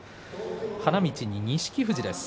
花道に錦富士です。